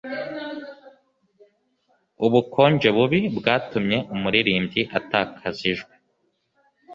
Ubukonje bubi bwatumye umuririmbyi atakaza ijwi